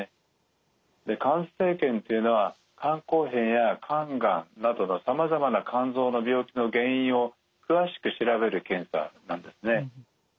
肝生検というのは肝硬変や肝がんなどのさまざまな肝臓の病気の原因を詳しく調べる検査なんですね。